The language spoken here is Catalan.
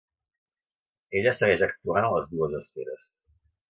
Ella segueix actuant a les dues esferes.